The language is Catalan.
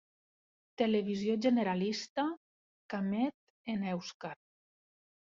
Televisió generalista que emet en èuscar.